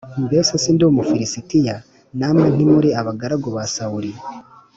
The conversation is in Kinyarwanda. Mbese sindi Umufilisitiya, namwe ntimuri abagaragu ba Sawuli?